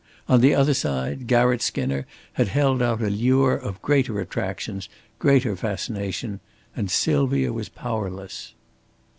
On the other side Garratt Skinner had held out a lure of greater attractions, greater fascination; and Sylvia was powerless.